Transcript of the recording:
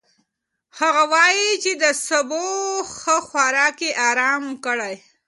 هغه وايي چې د سبو ښه خوراک يې ارام کړی.